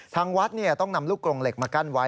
ทางวัดต้องนำลูกกรงเหล็กมากั้นไว้